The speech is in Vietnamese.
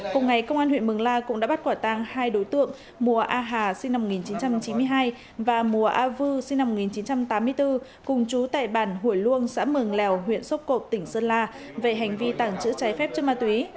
cùng ngày công an huyện mường la cũng đã bắt quả tang hai đối tượng mùa a hà sinh năm một nghìn chín trăm chín mươi hai và mùa a vư sinh năm một nghìn chín trăm tám mươi bốn cùng chú tại bản hủy luông xã mường lèo huyện sốp cộp tỉnh sơn la về hành vi tàng trữ trái phép chất ma túy